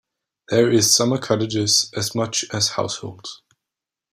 There is summer cottages as much as households.